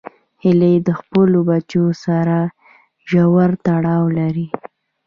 هیلۍ د خپلو بچو سره ژور تړاو لري